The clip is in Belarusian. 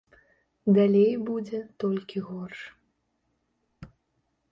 Далей будзе толькі горш.